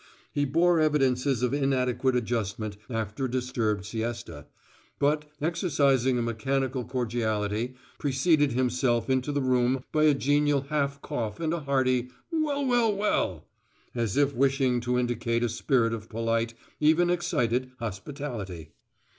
He bore evidences of inadequate adjustment after a disturbed siesta, but, exercising a mechanical cordiality, preceded himself into the room by a genial half cough and a hearty, "Well well well," as if wishing to indicate a spirit of polite, even excited, hospitality.